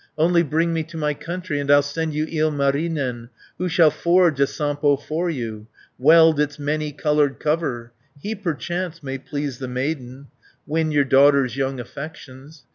Only bring me to my country, And I'll send you Ilmarinen, Who shall forge a Sampo for you, Weld its many coloured cover. 330 He perchance may please the maiden, Win your daughter's young affections.